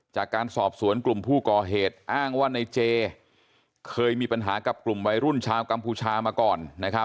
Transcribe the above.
จากการสอบสวนกลุ่มผู้ก่อเหตุอ้างว่าในเจเคยมีปัญหากับกลุ่มวัยรุ่นชาวกัมพูชามาก่อน